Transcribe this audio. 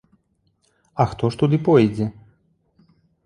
А хто ж туды пойдзе?